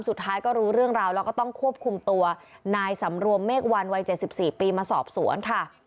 สุดท้ายก็รู้เรื่องราวแล้วก็ต้องควบคุมตัวนายสำรวมเมฆวันวัย๗๔ปีมาสอบสวนค่ะ